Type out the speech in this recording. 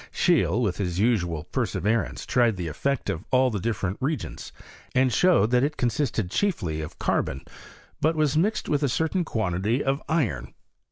Scheele, with his usual perseverance, tried the effect of all the different reagents, and showed that it con sisted chiefly of carbon , but was mixed with a certain quantity of iron.